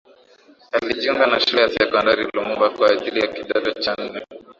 Alijiunga na Shule ya Sekondari Lumumba kwa ajili ya Kidato cha Nne